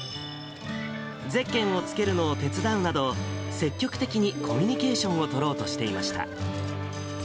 ゼッケンをつけるのを手伝うなど、積極的にコミュニケーションを取ろうとしていました。